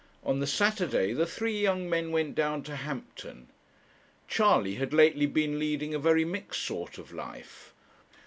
On the Saturday the three young men went down to Hampton. Charley had lately been leading a very mixed sort of life.